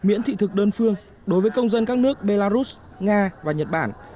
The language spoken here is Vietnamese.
miễn thị thực đơn phương đối với công dân các nước belarus nga và nhật bản